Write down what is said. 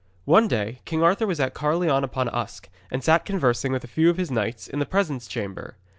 One day King Arthur was at Caerleon upon Usk, and sat conversing with a few of his knights in the presence chamber.